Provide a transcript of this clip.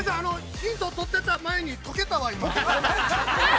ヒントを取った前に解けたわ、今。